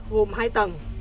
gồm hai tầng